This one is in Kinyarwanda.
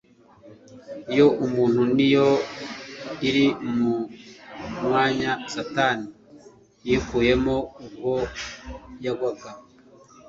Iyo ntumwa ni yo iri mu mwanya Satani yikuyemo ubwo yagwaga.